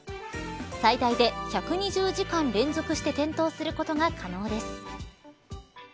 最大で１２０時間連続して点灯することが可能です。